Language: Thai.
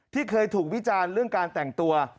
ที่เคยถูกวิจารณ์เรื่องการแต่งตัว